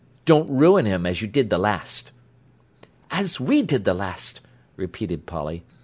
Don't ruin him as you did the last." "As we did the last!" repeated Polly.